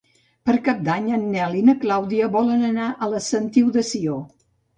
Per Cap d'Any en Nel i na Clàudia volen anar a la Sentiu de Sió.